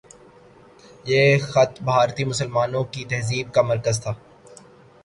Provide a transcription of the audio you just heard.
یہ خطہ بھارتی مسلمانوں کی تہذیب کا مرکز تھا۔